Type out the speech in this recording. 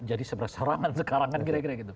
jadi seberasarangan sekarang